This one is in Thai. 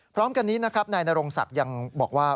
พร้อมกันนี้นะครับนายนรงศักดิ์ยังบอกว่า